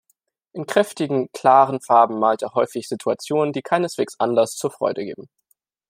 In kräftigen, klaren Farben malt er häufig Situationen, die keineswegs Anlass zur Freude geben.